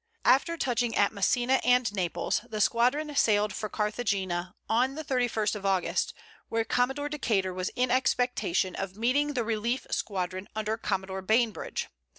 After touching at Messina and Naples, the squadron sailed for Carthagena on the 31st of August, where Commodore Decater was in expectation of meeting the relief squadron, under Commodore Bainbridge.